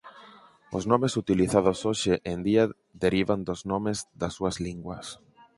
Os nomes utilizados hoxe en día derivan dos nomes das súas linguas.